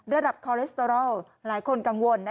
ระดับคอเลสเตอรอลหลายคนกังวล